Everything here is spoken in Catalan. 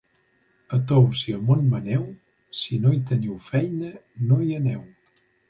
A Tous i a Montmaneu, si no hi teniu feina, no hi aneu.